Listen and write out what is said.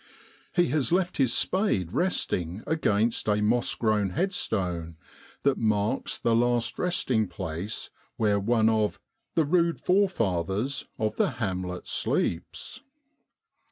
He has left his spade resting against a moss grown headstone that marks the last resting place where one of ' the rude forefathers of the hamlet sleeps.'